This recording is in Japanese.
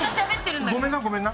ごめんなごめんな。